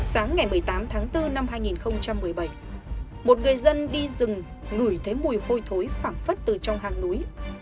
sáng ngày một mươi tám tháng bốn năm hai nghìn một mươi bảy một người dân đi rừng ngửi thấy mùi hôi thối phảng phất từ trong hang núi